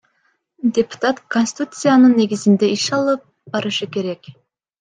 Депутат Конституциянын негизинде иш алып барышы керек.